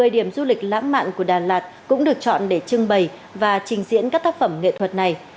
một mươi điểm du lịch lãng mạn của đà lạt cũng được chọn để trưng bày và trình diễn các tác phẩm nghệ thuật này